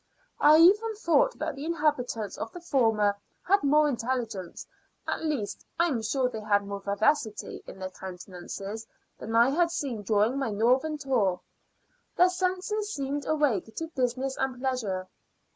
I even thought that the inhabitants of the former had more intelligence at least, I am sure they had more vivacity in their countenances than I had seen during my northern tour: their senses seemed awake to business and pleasure.